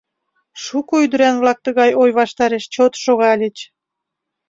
Шуко ӱдыран-влак тыгай ой ваштареш чот шогальыч.